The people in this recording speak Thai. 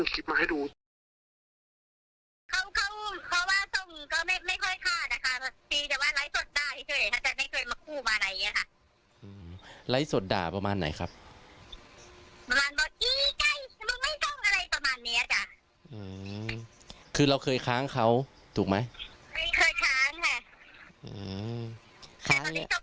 ประมาณวันต้องวันอะไรอย่างนี้ค่ะ